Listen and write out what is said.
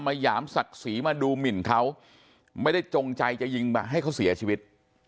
หยามศักดิ์ศรีมาดูหมินเขาไม่ได้จงใจจะยิงให้เขาเสียชีวิต